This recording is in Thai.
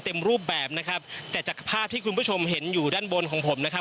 เต็มรูปแบบนะครับแต่จากภาพที่คุณผู้ชมเห็นอยู่ด้านบนของผมนะครับ